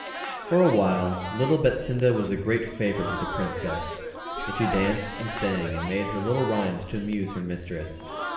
For a while little Betsinda was a great favourite with the Princess, and she danced, and sang, and made her little rhymes to amuse her mistress.